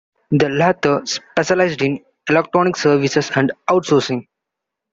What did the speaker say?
The latter specialized in electronic services and outsourcing.